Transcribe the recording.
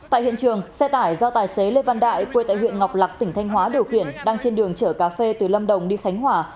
tại hiện trường xe tải do tài xế lê văn đại quê tại huyện ngọc lạc tỉnh thanh hóa điều khiển đang trên đường chở cà phê từ lâm đồng đi khánh hòa